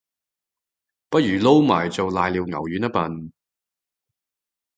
不如撈埋做瀨尿牛丸吖笨